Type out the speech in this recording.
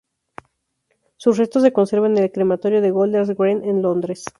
Sus restos se conservan en el Crematorio de Golders Green en Londres.